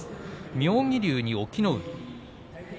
妙義龍と隠岐の海